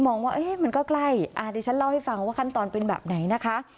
ว่ามันก็ใกล้ดิฉันเล่าให้ฟังว่าขั้นตอนเป็นแบบไหนนะคะ